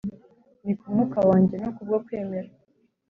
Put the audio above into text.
ni kumwuka wanjye no kubwo kwemera